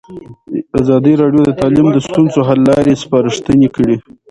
ازادي راډیو د تعلیم د ستونزو حل لارې سپارښتنې کړي.